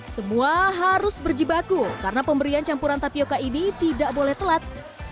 semua harus berjibaku karena pemberian campuran tapioca ini tidak boleh telat